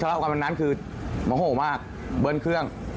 เล่ากันวันนั้นคือโมโหมากเบิ้ลเครื่อง